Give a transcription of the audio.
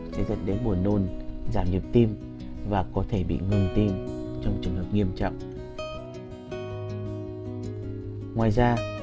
sẽ dẫn đến buồn nôn giảm nhược tim và có thể bị ngưng tim trong trường hợp nghiêm trọng ngoài ra